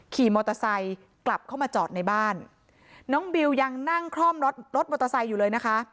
ขี่มอเตอร์ไซค์กลับเข้ามาจอดในบ้านน้องบิวยังนั่งคล่อมรถรถมอเตอร์ไซค์อยู่เลยนะคะ